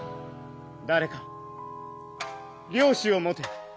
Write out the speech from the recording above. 誰か料紙を持て。